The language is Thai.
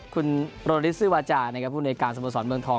คุณโรนิสซื้อวาจาผู้ในการสโมสรเมืองทอง